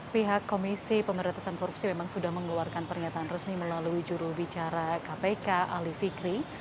pihak komisi pemerintahan korupsi memang sudah mengeluarkan pernyataan resmi melalui jurubicara kpk ali fikri